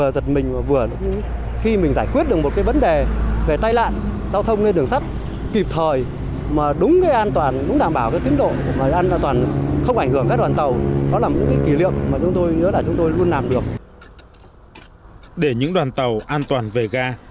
để những đoàn tàu an toàn về ga